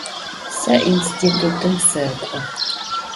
Se yinstitutım sek'o.